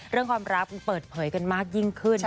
เรื่องความรักเปิดเผยกันมากยิ่งขึ้น